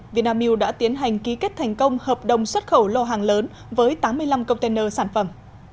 vinamilk đã tiến hành ký kết thành công hợp đồng xuất khẩu lô hàng lớn với tám mươi năm container sản phẩm